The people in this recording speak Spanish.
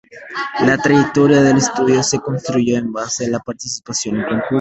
La trayectoria del estudio se construyó en base a la participación en concursos.